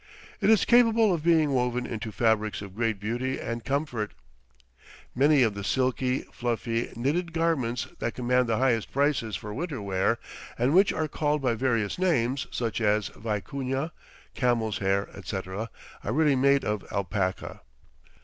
It is capable of being woven into fabrics of great beauty and comfort. Many of the silky, fluffy, knitted garments that command the highest prices for winter wear, and which are called by various names, such as "vicuña," "camel's hair," etc., are really made of alpaca.